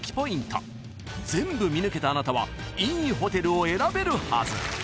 ［全部見抜けたあなたはいいホテルを選べるはず］